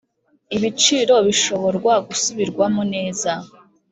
ibiciro bishoborwa gusubirwamo neza